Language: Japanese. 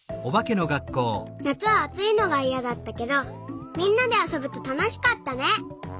なつはあついのがいやだったけどみんなであそぶとたのしかったね。